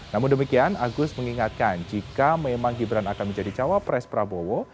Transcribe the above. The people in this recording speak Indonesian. namun demikian agus mengingatkan jika memang gibran akan menjadi cawapres prabowo